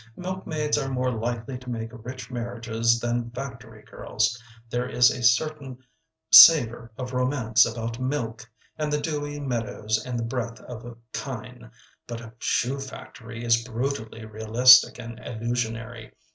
Milk maids are more likely to make rich marriages than factory girls; there is a certain savor of romance about milk, and the dewy meadows, and the breath of kine, but a shoe factory is brutally realistic and illusionary.